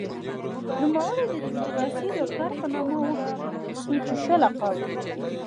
نوموړی د دموکراسۍ د پلار په نامه وپېژندل شو چې ښه لقب و.